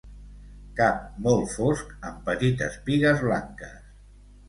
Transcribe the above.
Cap molt fosc amb petites pigues blanques.